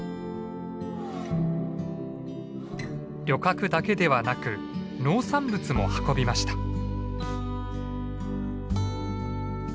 旅客だけではなく農産物も運びました。